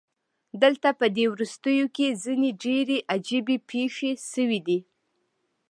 دلته پدې وروستیو کې ځینې ډیرې عجیبې پیښې شوې دي